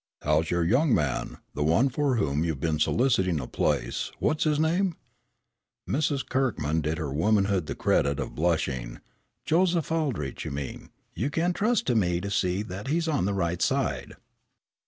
"How's your young man, the one for whom you've been soliciting a place what's his name?" Miss Kirkman did her womanhood the credit of blushing, "Joseph Aldrich, you mean. You can trust to me to see that he's on the right side."